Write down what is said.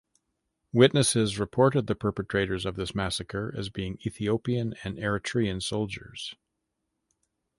Witnesses reported the perpetrators of this massacre as being Ethiopian and Eritrean soldiers.